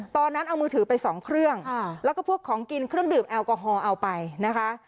ตอนนั้นเอามือถือไปสองเครื่องแล้วก็พวกของกินเครื่องดื่มแอลกอฮอลเอาไปนะคะ